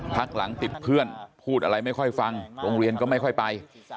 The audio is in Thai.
พักหลังติดเพื่อนพูดอะไรไม่ค่อยฟังโรงเรียนก็ไม่ค่อยไป